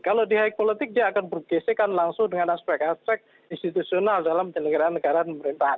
kalau di high politik dia akan bergesekan langsung dengan aspek aspek institusional dalam penyelenggaraan negara dan pemerintahan